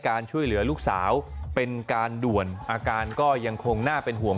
ช่วยเหลือลูกสาวเป็นการด่วนอาการก็ยังคงน่าเป็นห่วง